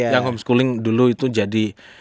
yang homeschooling dulu itu jadi